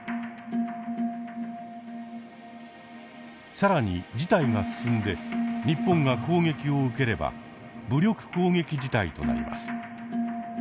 更に事態が進んで日本が攻撃を受ければ「武力攻撃事態」となります。